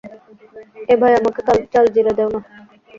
এ ভাই, আমাকেও জালজিরা দেও না?